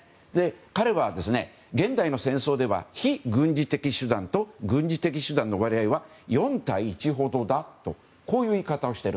彼は現代の戦争では非軍事的手段と軍事的手段の割合は４対１ほどだという言い方をしている。